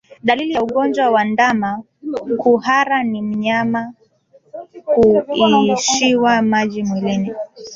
Dalili ya ugonjwa wa ndama kuhara ni mnyama kuishiwa maji mwilini